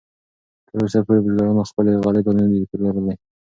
تراوسه پورې بزګرانو خپلې غلې دانې نه دي پلورلې.